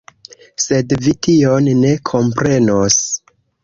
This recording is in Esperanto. Sed vi tion ne komprenos.